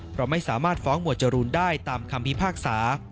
เพราะไม่สามารถฟ้องหมวดจรูนได้ตามคำพิพากษา